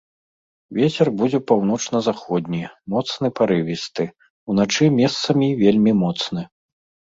Вецер будзе паўночна-заходні, моцны парывісты, уначы месцамі вельмі моцны.